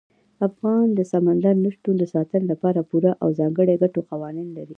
افغانستان د سمندر نه شتون د ساتنې لپاره پوره او ځانګړي ګټور قوانین لري.